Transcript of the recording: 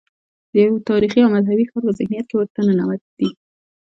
د یو تاریخي او مذهبي ښار په ذهنیت کې ورته ننوتي.